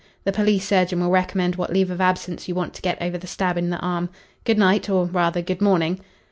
The police surgeon will recommend what leave of absence you want to get over the stab in the arm. Good night or rather, good morning."